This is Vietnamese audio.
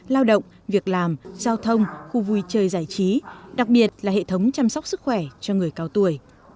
lao động việc làm giao thông khu vui chơi giải trí đặc biệt là hệ thống chăm sóc sức khỏe cho người cao tuổi